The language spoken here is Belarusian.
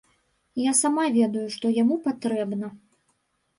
Я сама ведаю, што яму патрэбна.